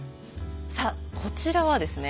さあこちらはですね